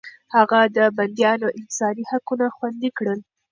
هغه د بنديانو انساني حقونه خوندي کړل.